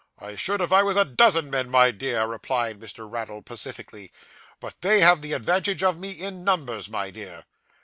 I should if I was a dozen men, my dear,' replied Mr. Raddle pacifically, 'but they have the advantage of me in numbers, my dear.